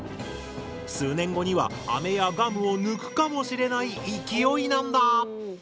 数年後にはアメやガムを抜くかもしれない勢いなんだ！